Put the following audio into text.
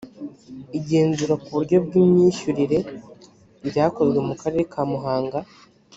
igenzura ku buryo bw’imyishyurire ryakozwe mu karere ka muhanga